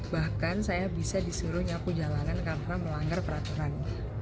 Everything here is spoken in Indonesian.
bahkan saya bisa disuruh nyapu jalanan karena melanggar peraturan